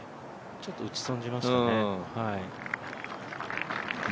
ちょっと打ち損じましたね。